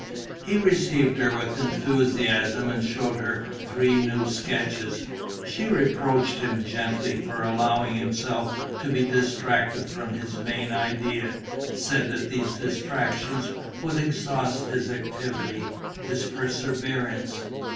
He received her with enthusiasm and showed her three new sketches. She reproached him gently for allowing himself to be distracted from his main idea, said that these distractions would exhaust his activity, his perseverance.